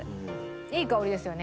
いい香りですよね